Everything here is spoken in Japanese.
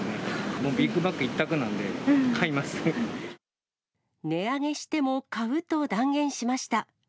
もうビッグマック一択なんで、値上げしても買うと断言しました。